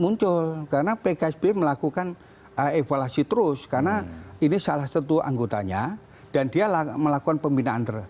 muncul karena pkb melakukan evaluasi terus karena ini salah satu anggotanya dan dia melakukan pembinaan